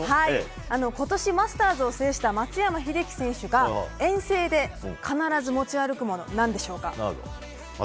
今年、マスターズを制した松山英樹選手が遠征で必ず持ち歩くもの何でしょうか？